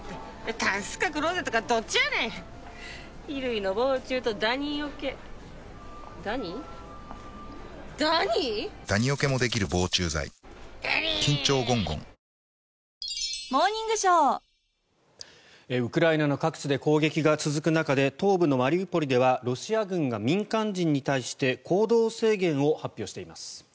一方、陥落間近とされている東部マリウポリでウクライナの各地で攻撃が続く中で東部のマリウポリではロシア軍が民間人に対して行動制限を発表しています。